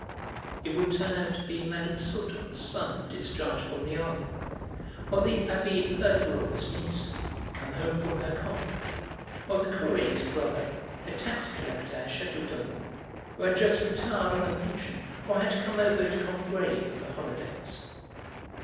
It would turn out to be Mme. Sauton's son discharged from the army, or the Abbé Perdreau's niece come home from her convent, or the Curé's brother, a tax collector at Châteaudun, who had just retired on a pension or had come over to Combray for the holidays.